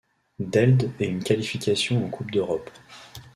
Deild et une qualification en Coupe d'Europe.